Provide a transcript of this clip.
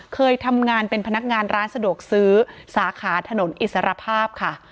เคยทำงานเป็นพนักงานร้านสะดวกซื้อสาขาถนนอิสรภาพค่ะ